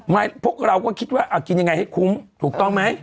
พวกเราก็คิดว่ากินยังไงให้คุ้มถูกต้องไหม